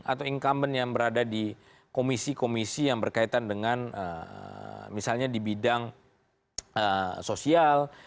atau incumbent yang berada di komisi komisi yang berkaitan dengan misalnya di bidang sosial